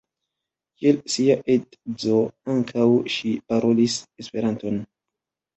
Kiel sia edzo, ankaŭ ŝi parolis Esperanton.